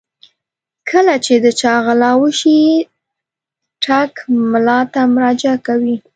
کله چې د چا غلا وشي ټګ ملا ته مراجعه کوي.